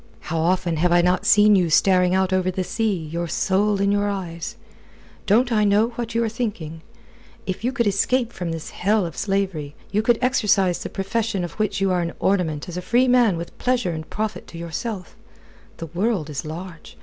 "How often have I not seen you staring out over the sea, your soul in your eyes! Don't I know what you are thinking? If you could escape from this hell of slavery, you could exercise the profession of which you are an ornament as a free man with pleasure and profit to yourself. The world is large.